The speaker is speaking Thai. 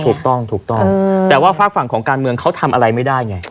ถูกต้องถูกต้องแต่ว่าฝากฝั่งของการเมืองเขาทำอะไรไม่ได้ไง